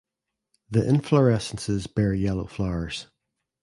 The inflorescences bear yellow flowers.